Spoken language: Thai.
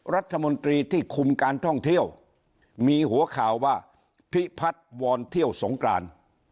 รัฐมนตรีที่คุมการท่องเที่ยวมีหัวข่าวว่าพิพัฒน์วอนเที่ยวสงกราน